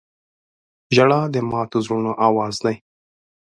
• ژړا د ماتو زړونو اواز دی.